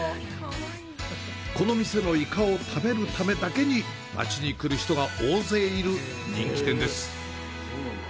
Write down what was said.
この店のイカを食べるためだけに町に来る人が大勢いる人気店です。